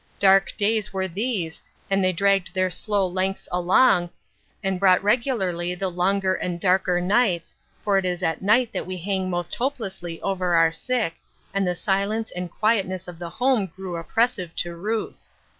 Dark days were these, and they dragged their rIow lenorths aloii*^. and broup^^t rpmiUrlv +>»« 418 Ruth JSrsJcine's Crosses, longer and darker nights, for it is at night that we hang most hopelessly over our sick, and the silence and quietness of the home grew oppresive to Ruth.